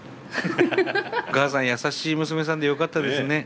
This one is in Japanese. お母さん優しい娘さんでよかったですね。